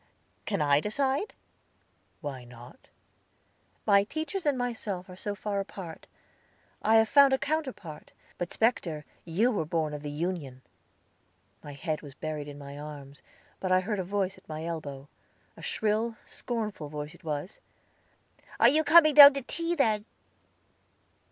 "Can I decide?" "Why not?" "My teachers and myself are so far apart! I have found a counterpart; but, specter, you were born of the union." My head was buried in my arms; but I heard a voice at my elbow a shrill, scornful voice it was. "Are you coming down to tea, then?"